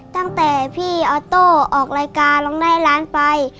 ตั้งแต่พี่ออโต้ออกรายการร้องได้ให้ล้านไป